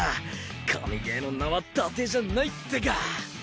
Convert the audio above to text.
神ゲーの名は伊達じゃないってか。